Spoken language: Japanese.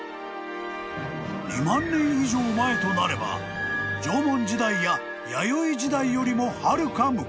［２万年以上前となれば縄文時代や弥生時代よりもはるか昔］